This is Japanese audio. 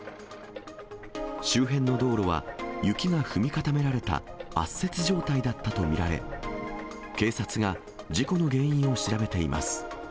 周辺の道路は雪が踏み固められた圧雪状態だったと見られ、警察が事故の原因を調べています。